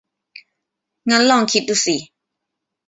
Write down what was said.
งั้นลองคิดดูสิ